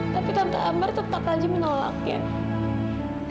tapi tante ambar tetap aja menolaknya